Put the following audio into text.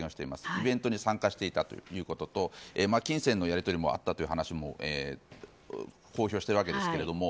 イベントに参加していたということと金銭のやり取りもあったという話も公表しているわけですけども。